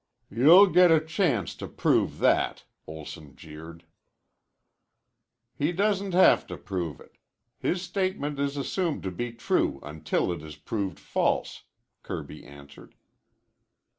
"You'll get a chance to prove that," Olson jeered. "He doesn't have to prove it. His statement is assumed to be true until it is proved false," Kirby answered.